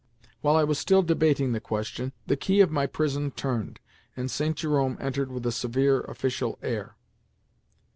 While I was still debating the question, the key of my prison turned, and St. Jerome entered with a severe, official air.